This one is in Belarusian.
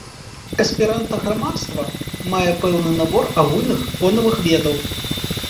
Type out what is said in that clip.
Эсперанта-грамадства мае пэўны набор агульных фонавых ведаў.